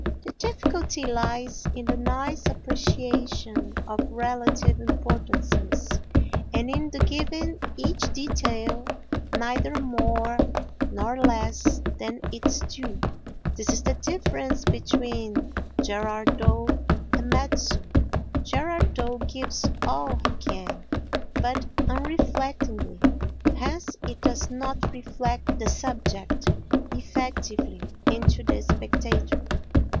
The difficulty lies in the nice appreciation of relative importances and in the giving each detail neither more nor less than its due. This is the difference between Gerard Dow and Metsu. Gerard Dow gives all he can, but unreflectingly; hence it does not reflect the subject effectively into the spectator.